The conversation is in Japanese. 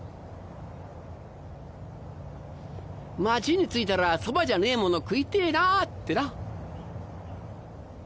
街に着いたらそばじゃねえもの食いてぇなってな。